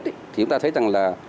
thì chúng ta thấy rằng là